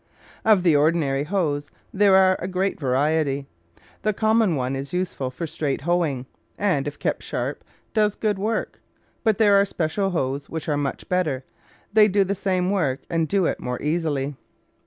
Of the ordinary hoes there are a great variety. The common one is useful for straight hoeing, and, if kept sharp, does good work, but there are special hoes which are much better; they do the same work and do it more easily.